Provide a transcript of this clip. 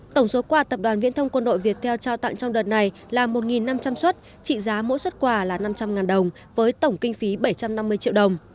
tổng số quà tập đoàn viễn thông quân đội việt theo trao tặng trong đợt này là một năm trăm linh xuất trị giá mỗi xuất quà là năm trăm linh đồng với tổng kinh phí bảy trăm năm mươi triệu đồng